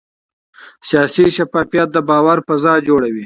سیاسي شفافیت د باور فضا جوړوي